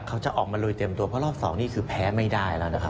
เขาจะออกมาลุยเต็มตัวเพราะรอบสองนี่คือแพ้ไม่ได้แล้วนะครับ